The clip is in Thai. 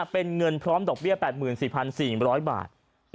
เป็นเงินพร้อมดอกเบี้ย๘๔๔๐๐บาท